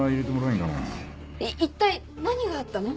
い一体何があったの？